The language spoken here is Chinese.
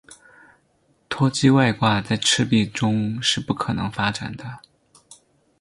脱机外挂在赤壁中是不可能发展的。